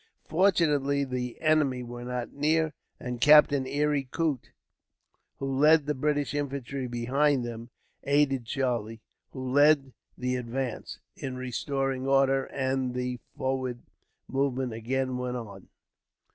Fortunately the enemy were not near, and Captain Eyre Coote, who led the British infantry behind them, aided Charlie, who led the advance, in restoring order, and the forward movement again went on.